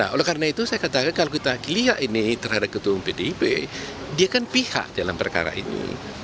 oleh karena itu saya katakan kalau kita lihat ini terhadap ketua umum pdip dia kan pihak dalam perkara itu